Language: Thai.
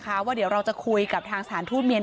เพราะว่าเดี๋ยวเราจะคุยกับทางสถานทูตเมียน